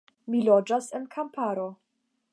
Mi loĝas en kamparo.